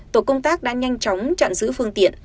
tổ công tác đã nhanh chóng chặn giữ phương tiện